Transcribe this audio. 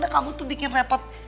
kamu tuh bikin repot